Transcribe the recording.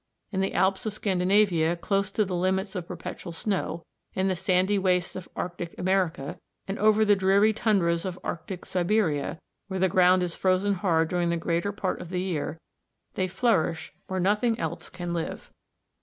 In the Alps of Scandinavia close to the limits of perpetual snow, in the sandy wastes of Arctic America, and over the dreary Tundras of Arctic Siberia, where the ground is frozen hard during the greater part of the year, they flourish where nothing else can live.